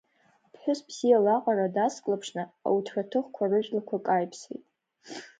Аԥҳәыс бзиа лаҟара дацклаԥшны ауҭраҭыхқәа рыжәлақәа каиԥсеит.